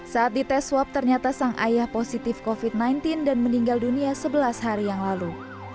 saat dites swab ternyata sang ayah positif covid sembilan belas dan meninggal dunia sebelas hari yang lalu